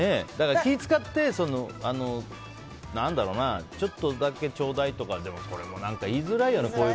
気使ってちょっとだけちょうだいとかそれも何か言いづらいよね。